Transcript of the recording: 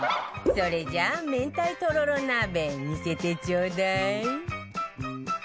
それじゃあ明太とろろ鍋見せてちょうだい